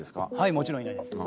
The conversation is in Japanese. もちろんいないです。